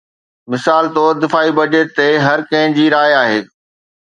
مثال طور، دفاعي بجيٽ تي هر ڪنهن جي راءِ آهي.